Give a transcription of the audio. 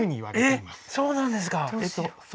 えっそうなんですか？